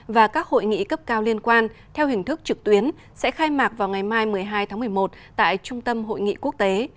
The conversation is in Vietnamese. và các hội nghị cấp cao liên quan theo hình thức trực tuyến sẽ khai mạc vào ngày mai một mươi hai tháng một mươi một tại trung tâm hội nghị quốc tế